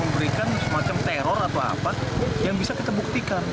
memberikan semacam teror atau apa yang bisa kita buktikan